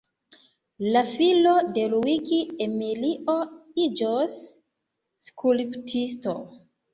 La filo de Luigi, Emilio, iĝos skulptisto.